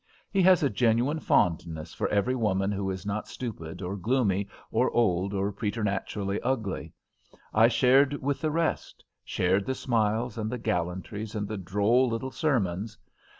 He has a genuine fondness for every woman who is not stupid or gloomy, or old or preternaturally ugly. I shared with the rest; shared the smiles and the gallantries and the droll little sermons.